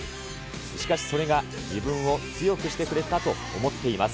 しかし、それが自分を強くしてくれたと思っています。